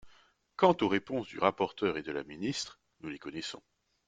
Quant aux réponses du rapporteur et de la ministre, nous les connaissons.